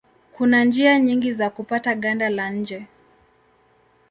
Kuna njia nyingi za kupata ganda la nje.